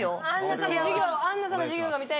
アンナさんの授業が見たいです。